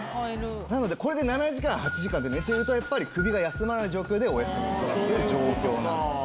なのでこれで７時間８時間って寝てるとやっぱり首が休まらない状況でお休みしている状況なんですね。